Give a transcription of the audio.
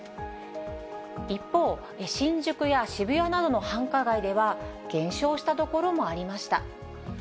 一方、新宿や渋谷などの繁華街では、減少した所もありました。